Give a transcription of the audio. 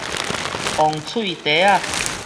封喙袋仔